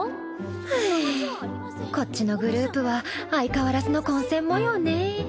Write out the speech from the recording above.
はぁこっちのグループは相変わらずの混戦模様ねぇ